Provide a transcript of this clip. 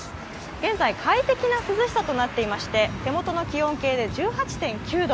現在、快適な涼しさとなっていまして手元の気温計で１８．９度。